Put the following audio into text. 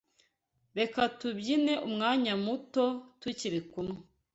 reka tubyine umwanya muto tukiri kumwe